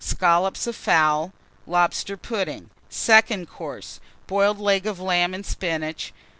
Scollops of Fowl. Lobster Pudding. SECOND COURSE. Boiled Leg of Lamb and Spinach.